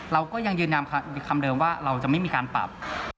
เราก็ยังยืนยันคำเดิมว่าเราจะไม่มีการปรับ